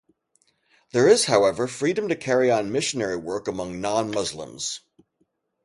There is, however, freedom to carry on missionary work among non-Muslims.